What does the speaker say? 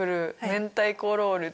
「明太子ロール」？